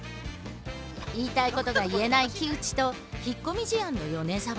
言いたいことが言えない木内と引っ込み思案の米沢。